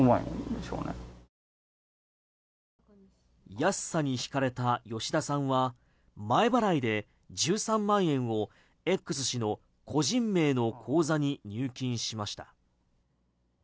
安さに引かれた吉田さんは前払いで１３万円をＸ氏の個人名の口座に入金しました。